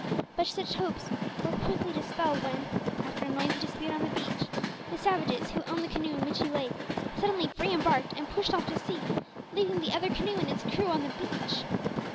But such hopes were quickly dispelled when, after a noisy dispute on the beach, the savages, who owned the canoe in which he lay, suddenly re embarked and pushed off to sea, leaving the other canoe and its crew on the beach.